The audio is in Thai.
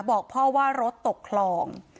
บอกพ่อว่ารถตกคลอง